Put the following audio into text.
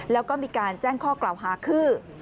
แล้วก็มีการแจ้งข้อกล่าวหาคือ